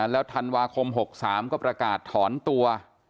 แล้วธันวาคม๖๓ก็ประกาศถอนตัว